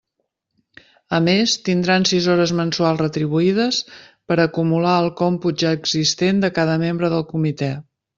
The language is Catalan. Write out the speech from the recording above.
A més, tindran sis hores mensuals retribuïdes per acumular al còmput ja existent de cada membre del comitè.